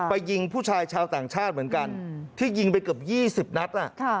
ไปยิงผู้ชายชาวต่างชาติเหมือนกันที่ยิงไปเกือบยี่สิบนัดน่ะค่ะ